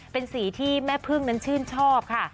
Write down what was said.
เป็นสีที่แม่พึ่งนั้นชื่นชอบค่ะ